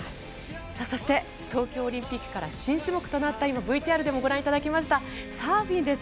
そして、東京オリンピックから新種目となった今、ＶＴＲでもご覧いただきましたサーフィンです。